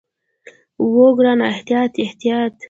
وه ګرانه احتياط احتياط.